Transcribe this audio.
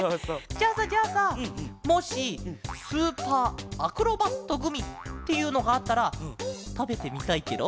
じゃあさじゃあさもしスーパーアクロバットグミっていうのがあったらたべてみたいケロ？